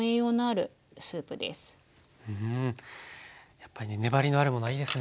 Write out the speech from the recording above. やっぱりね粘りのあるものはいいですね。